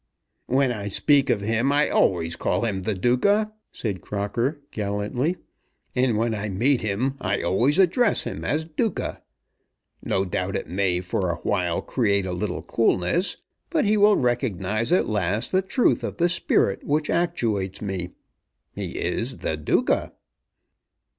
"When I speak of him I always call him the 'Duca,'" said Crocker, gallantly, "and when I meet him I always address him as Duca. No doubt it may for a while create a little coolness, but he will recognize at last the truth of the spirit which actuates me. He is 'the Duca.'"